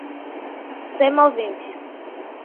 semoventes